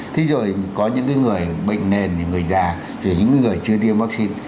thế rồi có những người bệnh nền người già những người chưa tiêm vaccine